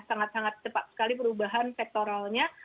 sangat sangat cepat sekali perubahan sektoralnya